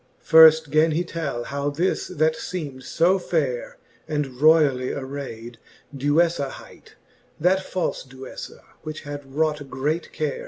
XL. Firft gan he tell, how this, that feem'd fo faire And royally arayd, Duejfa hight, That falic Duejfay which had wrought great care.